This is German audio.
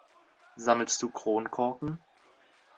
Sammelst du Kronkorken?